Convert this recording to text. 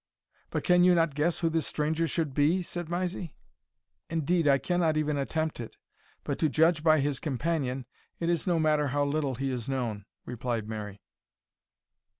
"But can you not guess who this stranger should be?" said Mysie. "Indeed, I cannot even attempt it; but to judge by his companion, it is no matter how little he is known," replied Mary.